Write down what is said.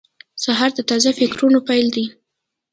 سهار د تازه فکرونو پیل دی.